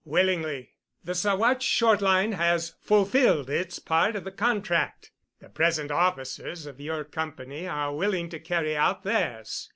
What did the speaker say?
"Willingly. The Saguache Short Line has fulfilled its part of the contract. The present officers of your company are willing to carry out theirs.